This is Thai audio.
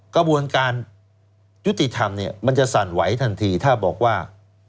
กระบวนการยุติธรรมเนี่ยมันจะสั่นไหวทันทีถ้าบอกว่า